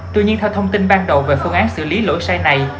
tuy nhiên theo thông tin ban đầu về phương án xử lý lỗi sai này